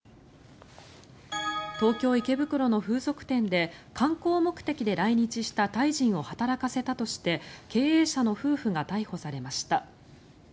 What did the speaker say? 東京・池袋の風俗店で観光目的で来日したタイ人を働かせたとして経営者の夫婦が逮捕されました。